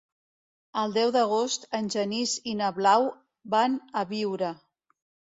El deu d'agost en Genís i na Blau van a Biure.